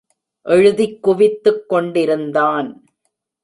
எழுதிக் குவித்துக் கொண்டிருந்தான்.